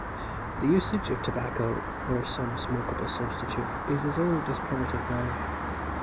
"The usage of tobacco, or some smokable substitute, is as old as primitive man.